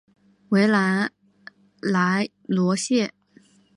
维兰莱罗谢。